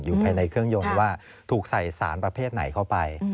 ภายในเครื่องยนต์ว่าถูกใส่สารประเภทไหนเข้าไป